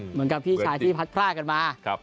เหมือนกับพี่ชายที่พัดพรากกันมา